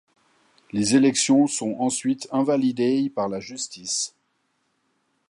Les élections sont ensuite invalidées par la justice.